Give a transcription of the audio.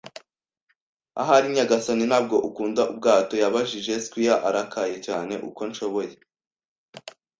“Ahari, nyagasani, ntabwo ukunda ubwato?” yabajije squire, arakaye cyane, uko nshoboye